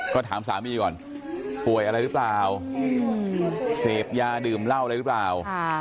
ก็ถามสามีก่อนป่วยอะไรหรือเปล่าเสพยาดื่มเหล้าอะไรหรือเปล่า